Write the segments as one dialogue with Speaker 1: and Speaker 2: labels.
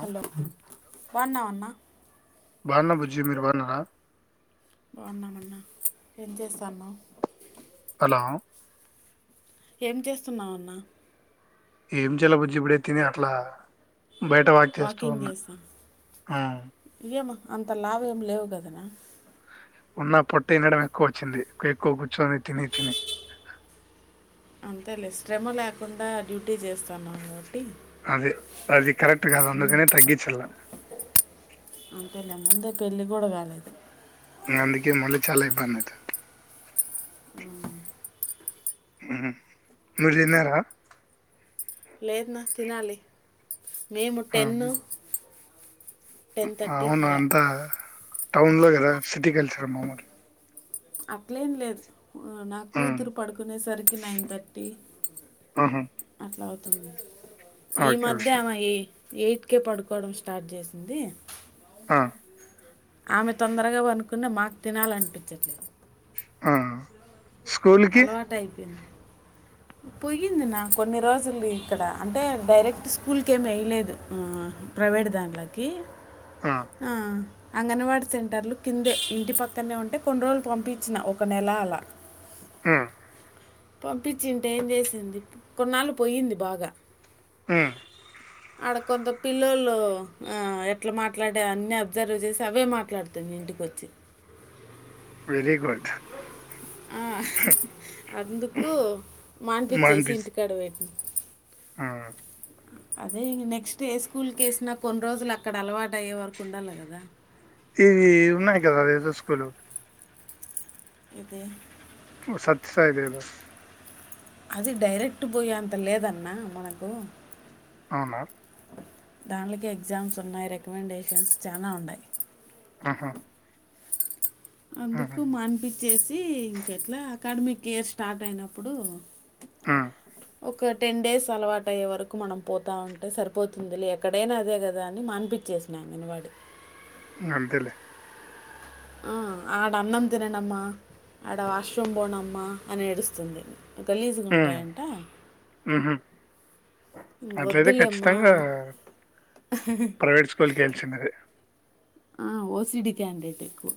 Speaker 1: Hello బావున్నావ అన్న.
Speaker 2: బావున్నా బుజ్జి మీరు బావున్నారా.
Speaker 1: బావున్నాం అన్న ఎమ్ చేస్తున్నావు.
Speaker 2: హలో.
Speaker 1: ఏం చేస్తున్నావు అన్న.
Speaker 2: ఏం చేయేలా బుజ్జి ఇప్పుడే తిని అట్లా. బయట వాక్ చేస్తూ
Speaker 1: వాకింగ్
Speaker 2: ఉన్నా
Speaker 1: చేస్తాను
Speaker 2: ఉమ్.
Speaker 1: ఏం అంత లావు ఏం లేవు కాదన్నా.
Speaker 2: ఉన్న పొట్ట తినడం ఎక్కువ వచ్చింది ఎక్కువ కూర్చొని తిని తిని.
Speaker 1: అంతేలే శ్రమ లేకుండా డ్యూటీ. డ్యూటీ చేస్తున్నావు కాబట్టి.
Speaker 2: అదే అది కరెక్ట్ కాదు అందుకనే తగ్గించల్ల
Speaker 1: అంతేలే ముందే పెళ్లి కూడా కాలేదు.
Speaker 2: అందుకే మళ్ళీ చాలా ఇబ్బంది అయితది హ్మ్ మీరు తిన్నారా
Speaker 1: లేదన్న తినాలి మేము టెన్ టెన్ థర్టీ
Speaker 2: అవున
Speaker 1: అలా
Speaker 2: అంతా టౌన్ లో కదా సిటీ కల్చర్ మామోలే
Speaker 1: అంట్ల ఎమ్ లేదు నా
Speaker 2: ఉమ్
Speaker 1: కూతురు పడుకునేసరికి నైన్ థర్టీ
Speaker 2: ఉహు
Speaker 1: అట్లా అవుతు ఈ
Speaker 2: ఓకే ఓకే
Speaker 1: మధ్య ఆమె ఎయిట్ ఎయిట్కే పడుకోవడం స్టార్ట్ చేసింది.
Speaker 2: ఆహ్.
Speaker 1: ఆమె తొందరగా పన్నుకున్న మాకు తినాలనిపించట్లేదు.
Speaker 2: ఆహ్.
Speaker 1: అలవాటైపోయింది. పోయింది అన్న కొన్ని రోజులిక్కడ అంటే డైరెక్ట్ స్కూల్కెం వేయలేదు ఉహ్. ప్రైవేట్ దాంట్లోకి
Speaker 2: ఆ
Speaker 1: అంగన్వాడీ సెంటర్లు కిందే ఇంటి పక్కనే ఉంటే కొన్ని రోజులు పంపించిన ఒక నెల అలా
Speaker 2: హ్మ్
Speaker 1: పంపించింటే ఏం చేసింది కొన్నాళ్ళు పోయింది బాగా
Speaker 2: హ్మ్
Speaker 1: ఆడ కొంత పిల్లలు ఆ ఎట్లా మాట్లాడే అన్ని అబ్జర్వ్ చేసి అవే మాట్లాడుతుంది ఇంటికొచ్చి
Speaker 2: వెరీ గుడ్
Speaker 1: ఆ అందుకూ మానిపించేసి
Speaker 2: మాన్పిస్
Speaker 1: ఇంటికాడపెట్టిన
Speaker 2: ఆ
Speaker 1: అదే నెక్స్ట్ ఏ స్కూల్కి వేసినా కొన్ని రోజులు అక్కడ అలవాటు అయ్యే వరకు ఉండాలి కదా
Speaker 2: ఈ ఇవి ఉన్నాయ్ కదా ఎస్ ఎస్ స్కూలు
Speaker 1: ఎది
Speaker 2: సత్య సాయి దేదో
Speaker 1: అది డైరెక్ట్ పోయే అంత లేదన్న మనకు
Speaker 2: అవునా
Speaker 1: దానికి ఎగ్జామ్స్ ఉన్నాయి రికమెండేషన్స్ చాలా ఉన్నాయి
Speaker 2: ఆహా
Speaker 1: అందుకు
Speaker 2: ఆహా!
Speaker 1: మానిపించేసి ఇంకెట్లా అకాడమికియర్ స్టార్ట్ అయినప్పుడు
Speaker 2: ఆ
Speaker 1: ఒక టెన్ డేస్ అలవాటు అయ్యే వరకు మనం పోతా ఉంటే సరిపోతుందిలే ఎక్కడైనా అదే కదా అని మానిపి చేసిన అంగన్వాడీ
Speaker 2: అంతేలే
Speaker 1: ఆ ఆడన్నం తిననమ్మా ఆడ వాష్రూమ్ బోనమ్మ అని ఏడుస్తుంది
Speaker 2: హ్మ్.
Speaker 1: గలీజుగుంటాయంట
Speaker 2: హుహు. అట్లయితే
Speaker 1: వద్దులేమ్మా
Speaker 2: ఖచ్చితంగా ప్రైవేట్ స్కూల్‌కెళ్ళాల్సిందే.
Speaker 1: ఆ ఓసిడి క్యాండేట్ ఎక్కువ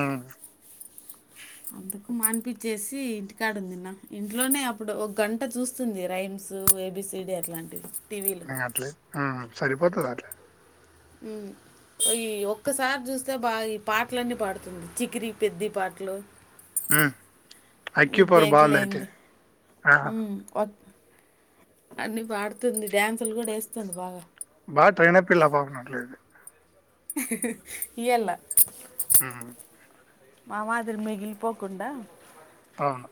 Speaker 2: ఆ
Speaker 1: అందుకు మానిపిచ్చేసి ఇంటికాడుందన్న ఇంట్లోనే అప్పుడు ఒగంట చూస్తుంది రైమ్స్ రైమ్స్ ఏబిసిడి అట్లాంటివి టీవీలో
Speaker 2: అట్లే సరిపోతదాట్ల
Speaker 1: ఉమ్ ఈ ఒక్కసారి చూస్తే బాగా ఈ పాటలన్నీ పాడుతుంది చికిరి పెద్ది పాటలు
Speaker 2: హ్మ్.
Speaker 1: ఈ
Speaker 2: ఐక్యూ పవర్
Speaker 1: దేక్లెన్
Speaker 2: బావుందయితే. ఆహా!
Speaker 1: ఉమ్ కో అన్ని పాడుతుంది డ్యాన్సులు కూడా వేస్తుంది బాగా
Speaker 2: బా ట్రైయిన పిల్లా పాపం అట్లయితే
Speaker 1: ఎల్లా
Speaker 2: హ్మ్
Speaker 1: మా మాదిరి మిగిలిపోకుండా
Speaker 2: అవును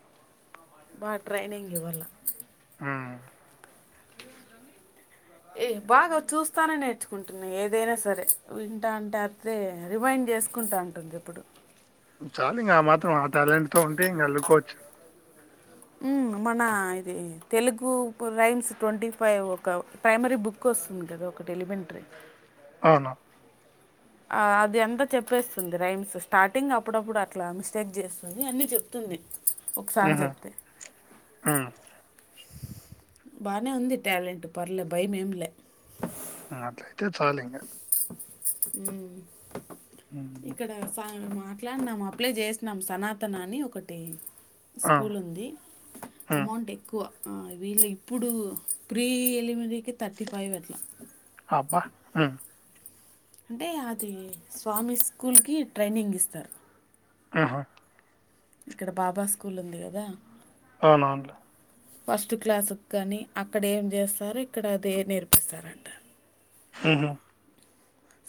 Speaker 1: బా ట్రైనింగు ఇవాళ
Speaker 2: హ్మ్.
Speaker 1: ఏయ్ బాగా చూస్తానే నేర్చుకుంటున్న ఏదైనా సరే వింటాంటే అత్రె రిమైండ్ చేసు కుంటా అంటుంది ఇప్పుడు
Speaker 2: చాలు ఇంగ అమాత్రం ఆ టాలెంట్ తో ఉంటే ఇంగ అల్లుకోవచ్చు
Speaker 1: ఉమ్ మన ఇది తెలుగు రైమ్స్ ట్వంటీ ఫైవ్ ఒక ప్రైమరీ బుక్ కొస్తుంది గదా ఒకటి ఎలిమెంట్రి
Speaker 2: ఆనా
Speaker 1: ఆహ్ అది అంతా చెప్పేస్తుంది రైమ్స్ స్టార్టింగ్ అప్పుడప్పుడు అట్లా మిస్టేక్ చేస్తుంది అన్ని చెప్తుంది ఒకసారి
Speaker 2: హుహు.
Speaker 1: చెప్తే
Speaker 2: హ్మ్.
Speaker 1: బానే ఉంది టాలెంట్ పర్లే భయం ఏమిలే
Speaker 2: ఉహ్ అట్లైతే చాలింగ
Speaker 1: మ్
Speaker 2: హ్మ్.
Speaker 1: ఇక్కడ ఫ్యాన్ మా మాట్లాడినాం అప్లై చేసినాం సనాతనా అని ఒకటి
Speaker 2: ఆ!
Speaker 1: స్కూల్ ఉంది
Speaker 2: హ్మ్.
Speaker 1: అమౌంట్ ఎక్కువ హా వీళ్ళు ఇప్పుడు ప్రీ ఎలిమరికీ థర్టీ ఫైవ్ అట్ల
Speaker 2: అబ్బా! హ్మ్.
Speaker 1: అంటే ఆది స్వామి స్కూల్కి ట్రైనింగ్ ఇస్తారు
Speaker 2: యహా
Speaker 1: ఇక్కడ బాబా స్కూల్ ఉంది గదా
Speaker 2: అవునానులె
Speaker 1: ఫస్ట్ క్లాసుక్ గానీ అక్కడ ఏం చేస్తారో ఇక్కడ అదే నేర్పిస్తారంట
Speaker 2: ఉహు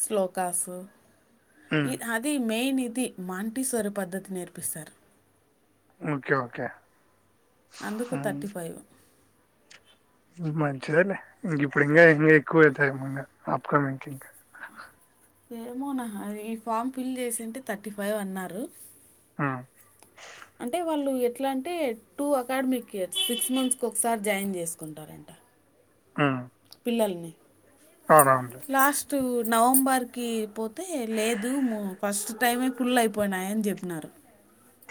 Speaker 1: శ్లోకాస్
Speaker 2: హ్మ్.
Speaker 1: ఇ అదీ మెయినిధి మాంటిసోరు పద్ధతి నేర్పిస్తారు
Speaker 2: ఓకే ఓకే
Speaker 1: అందుకు థర్టీ ఫైవ్
Speaker 2: మంచిదెలే ఇంగిప్పుడు ఇంగా ఇంగ ఎక్కువ అవుతయేమో ఇంగ పాపకూడా ఇంకిక
Speaker 1: ఏమోనా హ ఈ ఫామ్ ఫిల్ చేసింటే థర్టీ ఫైవ్ అన్నారు
Speaker 2: ఆ
Speaker 1: అంటే వాళ్ళు ఎట్లా అంటే two academic years six months కొకసారి జాయిన్ చేసుకుంటారంట
Speaker 2: ఆ
Speaker 1: పిల్లల్ని
Speaker 2: ఆరంగే
Speaker 1: తు నవంబర్కి పోతే లేదు ము ఫస్ట్ టైమే ఫుల్ అయిపోయినాయి అని జేప్పినారు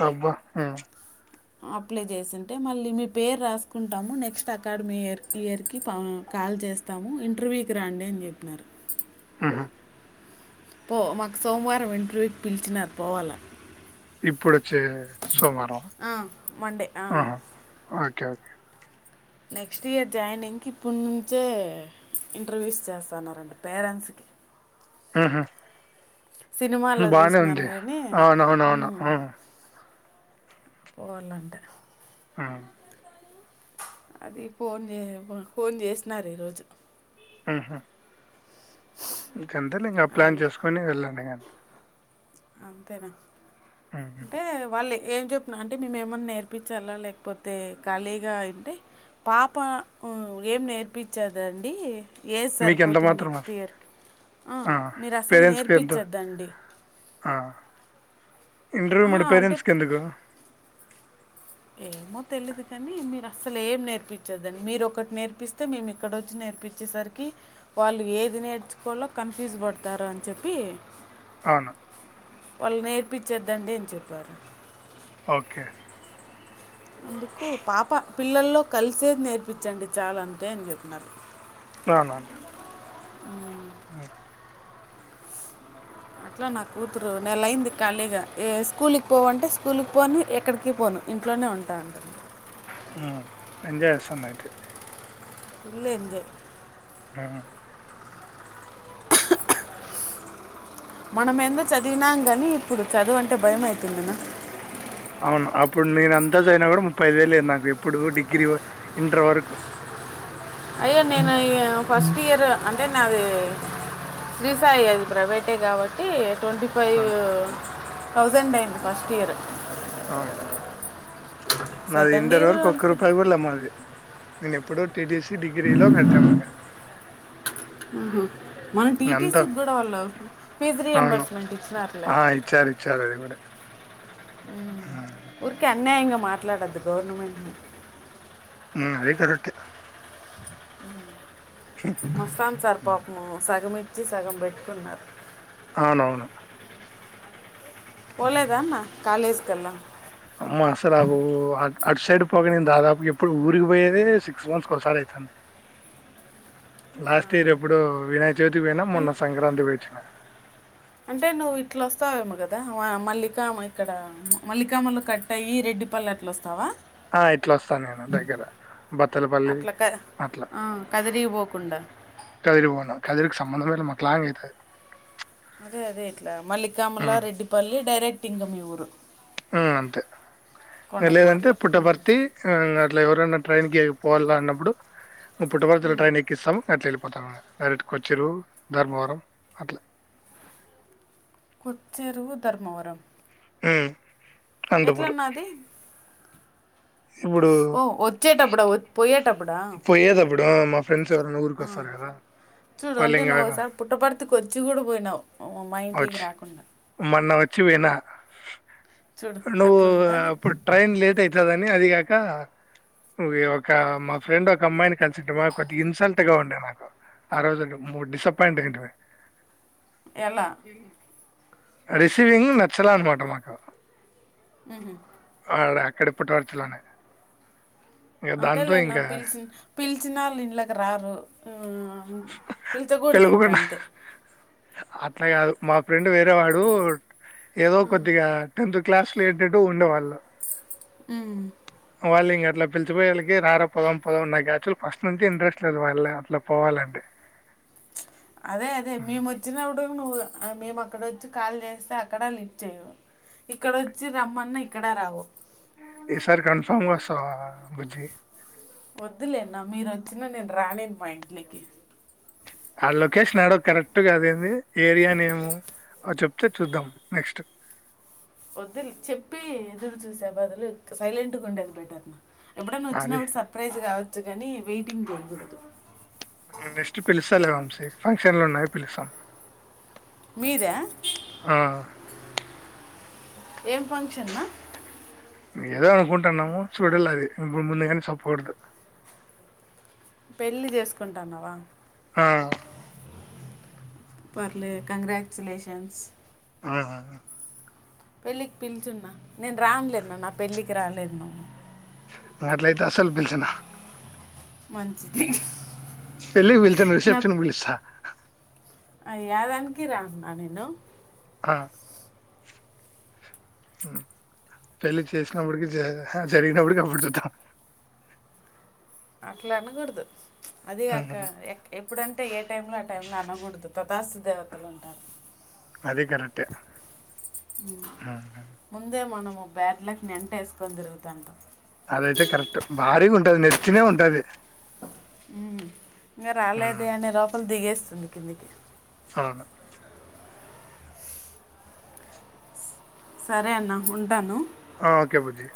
Speaker 2: ఇబ్బ హ్మ్
Speaker 1: అప్లై చేసింటే మళ్ళీ మీ పేరు రాసుకుంటాము నెక్స్ట్ అకాడమీ ఇయర్ ఇయర్కి కాల్ చేస్తాము ఇంటర్వ్యూకి రండి అని జేప్పినారు
Speaker 2: ఉహు
Speaker 1: పో మాకు సోమవారం ఇంటర్వ్యూకి పిలిచినరు పోవాల
Speaker 2: ఇప్పుడొచ్చె సోమారం
Speaker 1: మండే
Speaker 2: ఆహా ఓకే
Speaker 1: నెక్స్ట్ ఇయర్ జాయినింగ్ కి ఇప్పుడు నుంచే ఇంటర్వ్యూస్ చేస్తాన్నారంట పేరెంట్స్కి
Speaker 2: ఆహా
Speaker 1: సినిమాల్లో చూసినాను గానీ
Speaker 2: అవునవునవును
Speaker 1: హ్మ్
Speaker 2: ఉమ్,
Speaker 1: పోవలంట
Speaker 2: మ్
Speaker 1: అది ఫోన్ జే ఫోన్ జేసినారు ఈరోజు
Speaker 2: ఉహు ఇంకంతెలే ఇంగ ప్లాన్
Speaker 1: అంత
Speaker 2: చేసుకొని వెళ్ళండి గని
Speaker 1: అంతేనా
Speaker 2: ఉహు.
Speaker 1: అంటే వాళ్ళే ఏం చెప్తున్ను అంటే మేము ఏమన్నా నేర్పించాలా లేకపోతే ఖాళీగా అంటే పాప ఉ ఏం నేర్పించదండి ఏజ్
Speaker 2: మీకు ఎంత
Speaker 1: సరిపోతుంది
Speaker 2: మాత్రం
Speaker 1: నెక్స్ట్ ఇయర్కి అ మీరు అసల్ నేర్పించద్దండి
Speaker 2: అ ఇంటర్వ్యూ
Speaker 1: ఆ,
Speaker 2: మరి
Speaker 1: అంటే
Speaker 2: పేరెంట్స్కి ఎందుకు
Speaker 1: ఏమో తెలీదు కాని మీర అసలు ఏం నేర్పించదండి మీరు ఒకటి నేర్పిస్తే మేము ఇక్కడ ఓచ్చి నేర్పించేసరికి వాళ్ళు ఏద్ ది నేర్చుకోలో కన్ఫ్యూజ్ పడతారు అని చెప్పి
Speaker 2: అవును
Speaker 1: వాళ్ళు నేర్పించద్దండి అని చెప్పారు
Speaker 2: ఓకే
Speaker 1: అందుకు పాప పిల్లల్లో కలిసేద్ నేర్పిచండి చాల్ అంతే అని చెప్పినారు
Speaker 2: అవున
Speaker 1: ఉ
Speaker 2: అ
Speaker 1: అట్లా నా కూతురు నెల అయింది కలిగ ఎ స్కూల్కి పోవంటే స్కూల్కి పోను ఎక్కడికి పోను ఇంట్లోనే ఉంటా అంటుంది
Speaker 2: ఆ ఎంజాయ్ చేస్తుంది ఐతే
Speaker 1: ఫుల్ ఎంజాయ్
Speaker 2: ఉమ్ హు
Speaker 1: మనమెందో చదివినాం గానీ ఇప్పుడు చదువంటే భయమైతుంది అన్న
Speaker 2: అవును అప్పుడు నేను అంతా చదివిన కూడా ముప్పై ఐదు వేలు అయింది నాకు ఎప్పుడు డిగ్రీ వా ఇంటర్ వరకు
Speaker 1: అయ్య నేను ఈ ఫస్ట్ ఇయర్ అంటే నాది శ్రీ సాయి అది ప్రైవేటే కాబట్టి ట్వంటీ
Speaker 2: ఆ!
Speaker 1: ఫైవ్ థౌసండ్ అయింది ఫస్ట్ ఇయరు
Speaker 2: ఆ నాది
Speaker 1: సెకండ్
Speaker 2: ఇంటరు
Speaker 1: ఇయర్
Speaker 2: వరకు ఒక్క
Speaker 1: అంతే
Speaker 2: రూపాయి కూడాలే మాది నేను ఎప్పుడు టిటిసి డిగ్రీలో కట్టమాం ఇంగ
Speaker 1: మ్ హు మన
Speaker 2: అంతా
Speaker 1: టీటీసీ కూడా వాళ్ళు ఫీజ్
Speaker 2: అవును.
Speaker 1: రీయంబర్స్మెంట్ ఇచ్చినారూలే
Speaker 2: ఆ! ఇచ్చారు ఇచ్చారు అది కూడా ఉమ్ హు
Speaker 1: ఊరికే అన్యాయంగా మాట్లాడొద్దు గవర్నమెంట్ని
Speaker 2: ఉ అది కరెక్టే
Speaker 1: మస్తాన్ సార్
Speaker 2: హ్మ్.
Speaker 1: పాపము సగమిచ్చి సగం పెట్టుకున్నారు
Speaker 2: అవునవును
Speaker 1: పోలేదన్న కాలజ్ కల్ల
Speaker 2: అమ్మ అసరాగు అడ్ అటు సైడ్ పోక నేను దాదాపు ఎప్పుడు ఊరికి పోయేదే సిక్స్ మంత్స్ ఒకసారి అయితంది లాస్ట్ ఇయర్ ఎప్పుడో వినాయక చవితికి పోయినామ్ మొన్న సంక్రాంతికి పోయిఓచ్చిన
Speaker 1: అంటే నువ్వు ఇట్లా ఓస్తావేమో కదా మల్లికా మ ఇక్కడ మల్లికామలు కట్ అయ్యి రెడ్ డి పల్లి అట్ల ఓస్తావా
Speaker 2: ఆ ఇట్లా ఓస్థాన్ నేను దగ్గర బతలపల్లి
Speaker 1: అట్లా క
Speaker 2: అట్ల
Speaker 1: ఆ కదిరిగిపోకుండా
Speaker 2: కదిరి పోను కదిరికి సంబంధమేలే మాకు లాంగ్ ఐతాద్
Speaker 1: అదే అదే ఇట్లా మల్లికాముల్ల
Speaker 2: హ్మ్.
Speaker 1: రెడ్డిపల్లి డైరెక్ట్ ఇంగా మీ ఊరు
Speaker 2: ఆ అంతే లేదంటే
Speaker 1: కొండకుమార్ల
Speaker 2: పుట్టపర్తి ఆ అట్లా ఎవరన్నా ట్రైన్కి పోవల్ల అన్నప్పుడు పుట్టపర్తిలో ట్రైన్ ఎక్కిస్తాము అట్లా పోతా డైరెక్ట్ కొచ్చేరువు ధర్మవరం అట్లా
Speaker 1: కొచ్చెరువు ధర్మవరం
Speaker 2: హ్మ్ అనంతపూర్.
Speaker 1: ఎట్లన్న అది
Speaker 2: ఇప్పుడు
Speaker 1: ఓ ఒచ్చేటపుడా ఒ పోయే
Speaker 2: పోయేదప్పుడు మా ఫ్రెండ్స్ ఎవరైనా
Speaker 1: ఆ
Speaker 2: ఊరికొస్తారు గదా వాళ్ళు ఇంగాడ
Speaker 1: చి గుడు పోయినవ్
Speaker 2: ఒచ్ మొన్న వచ్చి వోయిన
Speaker 1: చూడు
Speaker 2: నువ్వు
Speaker 1: అట్లుంటుంది
Speaker 2: అప్పుడు ట్రైన్ లేేట్ అయితాదని అదిగాక ఒక మా ఫ్రెండ్ ఒక అమ్మాయిని కలిసింటిమా కొద్దిగ ఇన్సల్ట్ గా ఉండే మాకు ఆ రోజు మూడ్ డిస్సపాయింట్ గ ఉండే మాకు
Speaker 1: ఎలా
Speaker 2: రిసీవింగ్ నచ్చలే అనమాట మాకు
Speaker 1: ఉహూ
Speaker 2: ఆడ అక్కడ పుట్టపర్తి లోనే
Speaker 1: అంతే లేన్న పిలిసి పిలిచిన ఒళ్ళ ఇళ్ళకి రారు ఆహ పిల్చ కూడధిగా
Speaker 2: తెలుగు
Speaker 1: ఇంక
Speaker 2: కూడా
Speaker 1: అంతే
Speaker 2: అట్లా కాదు. మా ఫ్రెండ్ వేరె వాడు ఏదో కొద్దిగా టెన్త్ క్లాస్ ఏంటంటటు ఉండేవాళ్ళు
Speaker 1: మ్
Speaker 2: వాళ్ళు ఇంక అట్ల పిల్చిపోయేలికే కి రార పొదం పొదంన్న నాకు అసలు ఫస్ట్ నుంచి ఇంట్రెస్ట్ లేదు. వాళ్ళ అట్లా పోవాలంటే
Speaker 1: అదే అదే మేమొచ్చినప్పుడు నువ్వు మేము అక్కడ వచ్చి కాల్ చేస్తే అక్కడ లిఫ్ట్ చేయవు. ఇక్కడ వచ్చి రమ్మన్నా ఇక్కడ రావు
Speaker 2: ఈ సారి కన్ఫర్మ్ గా వస్తావ బుజ్జి
Speaker 1: వద్దులే మీరు వచ్చిన నేను రానిను మా ఇంట్లేకి
Speaker 2: ఆ లొకేషన్ అడ కరెక్టుగా అది ఏంది ఏరియా నేము అ చెప్తే చూద్దాం నెక్స్ట్
Speaker 1: వద్దు చెప్పి ఎదురు చూసే బదులు సైలెంట్గా ఉండేది బెటర్ ఎప్పుడైనా
Speaker 2: అది
Speaker 1: వచ్చినప్పుడు సర్ప్రైజ్ కావచ్చు కాని వెయిటింగ్ ఒద్దు.
Speaker 2: నెక్స్ట్ పిలుస్తాలే వంశీ ఫంక్షన్లు ఉన్నాయ్ పిలుస్తాను.
Speaker 1: మీద ఏం ఫంక్షన్ అన్న
Speaker 2: ఏదో అనుకుంటున్నాము. చూడాల అది ఇప్పుడు ముందుగానె చెప్పకూడదు.
Speaker 1: పెళ్ళి చేసుకుంటన్నావ
Speaker 2: ఆ
Speaker 1: పర్లే కంగ్రాట్యులేషన్స్
Speaker 2: ఆహా
Speaker 1: పెళ్ళికి పిలిచున్న నేను రాన్లేన్న నా పెళ్ళికి రాలేదు నువ్
Speaker 2: అట్లైతే అస్సలు పిల్చను
Speaker 1: మంచిది
Speaker 2: పెళ్ళికి పిల్చను రిసెప్షన్కి పిలుస్తా
Speaker 1: అయ్యాదానికి రానన్న నేను
Speaker 2: ఆ మ్ పెళ్ళి చేసుకున్నపుడికి జ జరిగినప్పుడుకి అ అప్పుడు చూద్దాం.
Speaker 1: అట్ల అనగూడదు అది గాక
Speaker 2: ఉమ్,
Speaker 1: ఎ ఎప్పుడంటే ఏ టైంలో ఆ టైంలో అనగూడదు తప్ దాశ్ దేవతలుంటారు
Speaker 2: అది కరెక్టే ఉమ్,
Speaker 1: ముందే మనం ఓ బ్యాగ్ లని వెంట వేసుకొని తిరుగుతాండ్రు
Speaker 2: అదైతే కరెక్ట్ భార్రీగా ఉంటది నెత్తినే ఉంటది
Speaker 1: మ్ ఇంగ రాలేదే
Speaker 2: ఉమ్,
Speaker 1: అనే లోపల దిగేస్తుంది కిందికి
Speaker 2: అవును
Speaker 1: సరే అన్న ఉంటాను
Speaker 2: ఓకే బుజ్జి